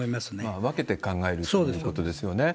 分けて考えるということですよね。